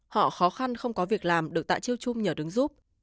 họ khó khăn không có việc làm được tại chiêu chung nhờ đứng giúp